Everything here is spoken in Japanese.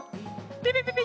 ピピピピ！